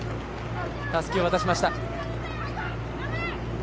たすきを渡しました。